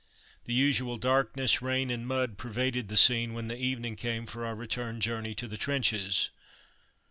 The usual darkness, rain and mud pervaded the scene when the evening came for our return journey to the trenches.